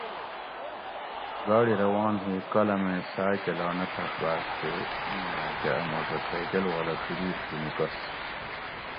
گاڑی روان ھی کالامیں ساۤ کہ لا نہ پھشباۤش تے ایں مائ کہ اۤ موٹر سائکل والا ڛی دیش تھی نِکس